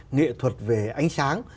nghệ thuật về ánh sáng